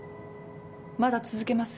まだ続けます？